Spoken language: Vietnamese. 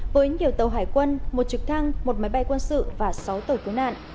với nhiều tàu hải quân một trực thăng một máy bay quân sự và sáu tàu cứu nạn